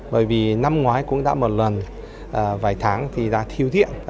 bởi vì năm ngoái cũng đã một lần vài tháng thì đã thiếu điện